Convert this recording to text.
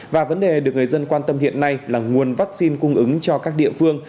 và vấn đề được người dân quan tâm hiện nay là nguồn vaccine cung ứng cho các địa phương